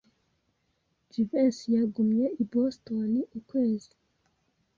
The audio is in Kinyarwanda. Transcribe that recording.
Jivency yagumye i Boston ukwezi.